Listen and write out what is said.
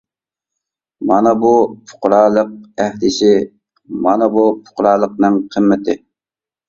مانا بۇ پۇقرالىق ئەھدىسى مانا بۇ پۇقرالىقنىڭ قىممىتى.